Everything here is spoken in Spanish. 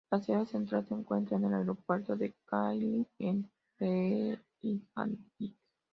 La sede central se encuentra en el Aeropuerto de Reykjavík en Reikiavik.